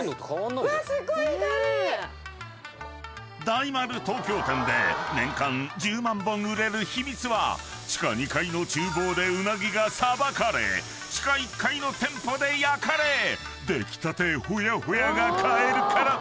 ［大丸東京店で年間１０万本売れる秘密は地下２階の厨房でうなぎがさばかれ地下１階の店舗で焼かれ出来たてほやほやが買えるから］